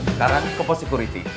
sekarang ke pos security